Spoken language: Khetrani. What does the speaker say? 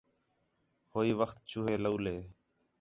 ہوئی وخت چوہے تولے